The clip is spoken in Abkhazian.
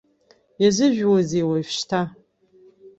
Иазыжәуазеи уажәшьҭа!